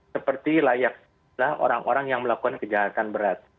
seperti layaklah orang orang yang melakukan kejahatan berat